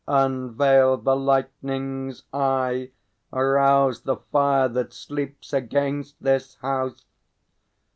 Unveil the Lightning's eye; arouse The fire that sleeps, against this house!